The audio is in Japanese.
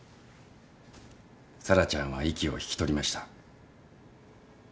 沙羅ちゃんは息を引き取りました。